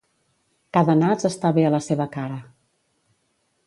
Cada nas està bé a la seva cara.